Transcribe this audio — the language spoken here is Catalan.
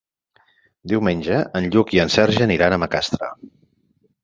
Diumenge en Lluc i en Sergi aniran a Macastre.